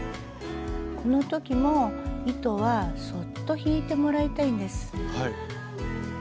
この時も糸はそっと引いてもらいたいんです。